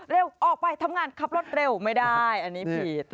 ออกไปทำงานขับรถเร็วไม่ได้อันนี้ผิด